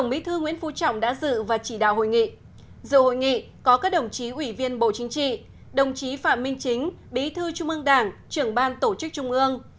bí thư trung ương đảng trưởng ban kinh tế trung ương